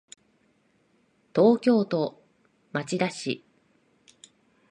東京都町田市